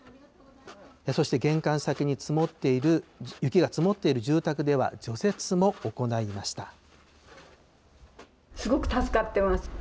そして玄関先に積もっている、雪が積もっている住宅では除雪も行いました。